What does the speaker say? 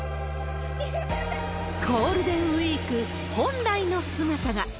ゴールデンウィーク本来の姿が。